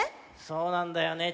そうなんだよね。